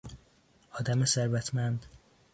آدم ثروتمند